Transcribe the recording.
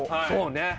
そうね。